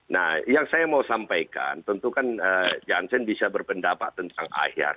nah yang saya mau sampaikan tentu kan jansen bisa berpendapat tentang ahyar